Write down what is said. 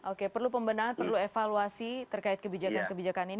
oke perlu pembenahan perlu evaluasi terkait kebijakan kebijakan ini